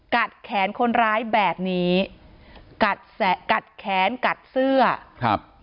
แขนคนร้ายแบบนี้กัดแสะกัดแขนกัดเสื้อครับ